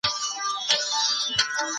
په تېره پېړۍ کي تاریخ د ایډیالوژۍ ښکار سو.